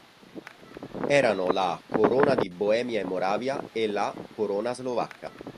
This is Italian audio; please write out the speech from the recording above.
Erano la "corona di Boemia e Moravia" e la "corona slovacca".